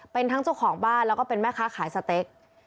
เป็นทั้งเจ้าของบ้านแล้วก็เป็นแม่ค้าขายสเต็ก